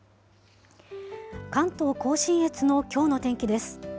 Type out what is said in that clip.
関東甲信越のきょうの天気です。